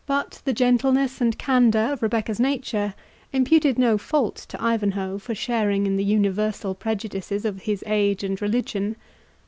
But the gentleness and candour of Rebecca's nature imputed no fault to Ivanhoe for sharing in the universal prejudices of his age and religion.